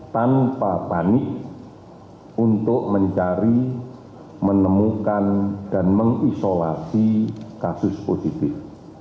tanpa panik untuk mencari menemukan dan mengisolasi kasus positif